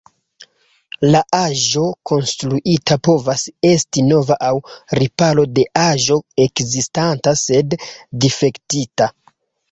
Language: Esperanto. La aĵo konstruita povas esti nova aŭ riparo de aĵo ekzistanta sed difektita.